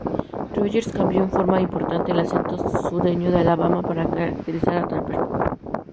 Rogers cambió en forma importante el acento sureño de Alabama para caracterizar a Trapper.